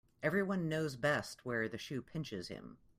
Every one knows best where the shoe pinches him.